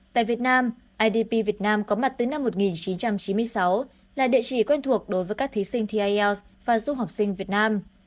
tại việt nam idp việt nam có mặt từ năm một nghìn chín trăm chín mươi sáu là địa chỉ quen thuộc đối với các thí sinh thi ielts và giúp học sinh việt nam